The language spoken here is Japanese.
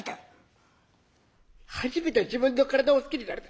初めて自分の体を好きになれた。